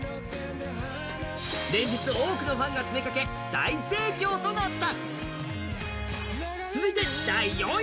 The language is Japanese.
連日、多くのファンが詰めかけ大盛況となった。